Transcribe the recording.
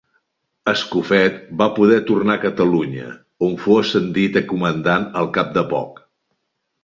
Escofet va poder tornar a Catalunya, on fou ascendit a comandant al cap de poc.